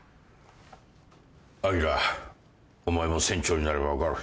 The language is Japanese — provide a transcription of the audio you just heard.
明お前も船長になれば分かる。